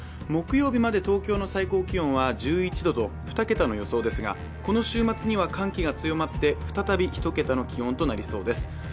木曜日まで東京の最高気温は１１度と２桁の予想ですが、この週末には寒気が強まって、再びひと桁の気温となりそうです。